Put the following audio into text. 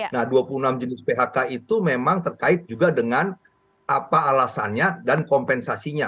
nah dua puluh enam jenis phk itu memang terkait juga dengan apa alasannya dan kompensasinya